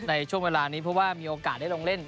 ในช่วงเวลานี้เพราะว่ามีโอกาสได้ลงเล่น